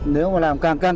nếu mà làm càng càng